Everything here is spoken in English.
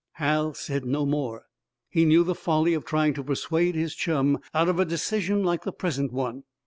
Hal said no more. He knew the folly of trying to persuade his chum out of a decision like the present one.